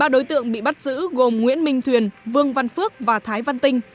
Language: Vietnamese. ba đối tượng bị bắt giữ gồm nguyễn minh thuyền vương văn phước và thái văn tinh